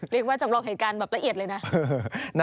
เรียกว่าจำลองเหตุการณ์แบบละเอียดเลยนะ